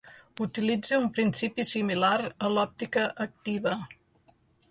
Utilitza un principi similar a l'òptica activa.